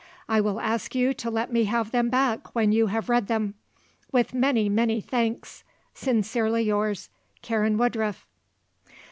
I will ask you to let me have them back when you have read them. With many, many thanks. Sincerely yours, "Karen Woodruff."